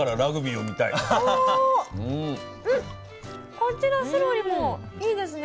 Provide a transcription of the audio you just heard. こっちのセロリもいいですね。